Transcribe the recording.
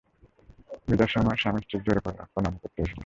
বিদায়ের সময় স্বামীস্ত্রী জোড়ে প্রণাম করতে এল।